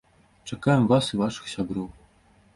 Чакаем вас і вашых сяброў!